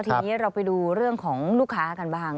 ทีนี้เราไปดูเรื่องของลูกค้ากันบ้าง